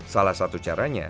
salah satu caranya